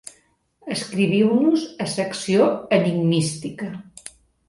Escriviu-nos a Secció Enigmística.